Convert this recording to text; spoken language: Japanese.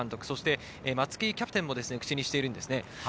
そして松木キャプテンも口にしています。